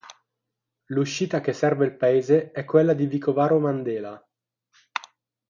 L'uscita che serve il paese è quella di Vicovaro-Mandela.